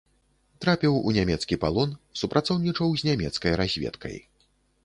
Трапіў у нямецкі палон, супрацоўнічаў з нямецкай разведкай.